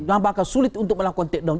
apakah sulit untuk melakukan takedown